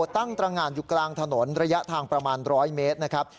ตั้งตรงานอยู่กลางถนนระยะทางประมาณ๑๐๐เมตรนะครับ